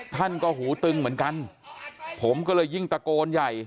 ท่านก็หูตึงเหมือนกันผมก็เลยยิ่งตะโกนใหญ่